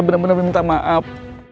saya bener bener minta maaf